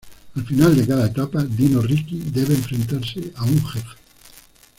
Al final de cada etapa, Dino Riki debe enfrentarse a un jefe.